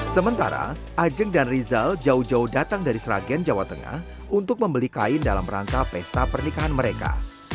sementara ajeng dan rizal jauh jauh datang dari sragen jawa tengah untuk membeli kain dalam rangka pesta pernikahan mereka